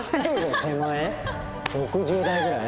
６０代ぐらい？